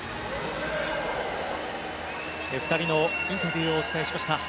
２人のインタビューをお伝えしました。